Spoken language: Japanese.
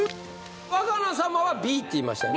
わかな様はＢって言いましたね？